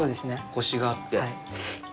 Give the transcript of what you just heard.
コシがあって。